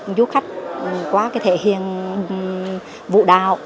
để giúp khách có thể thể hiện vụ đạo